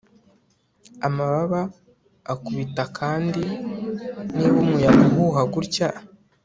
amababa akubitakandi, niba umuyaga uhuha gutya